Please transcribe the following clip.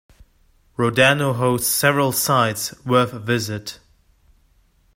Rodano hosts several sights worth a visit.